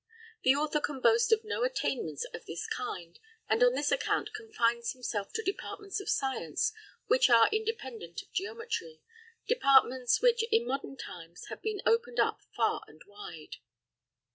723. The author can boast of no attainments of this kind, and on this account confines himself to departments of science which are independent of geometry; departments which in modern times have been opened up far and wide.